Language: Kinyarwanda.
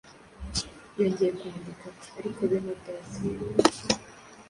Yongeye kwandika ati: ” Ariko bene Data,